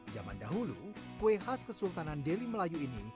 zaman dahulu kue khas kesultanan deli melayu ini